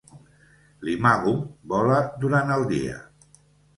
L'imago vola durant el dia.